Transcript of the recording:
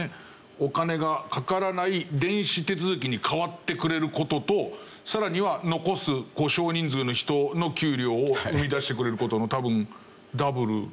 お金がかからない電子手続きに変わってくれる事とさらには残す少人数の人の給料を生み出してくれる事の多分ダブル。